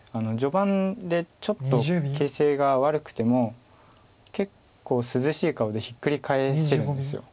序盤でちょっと形勢が悪くても結構涼しい顔でひっくり返せるんです。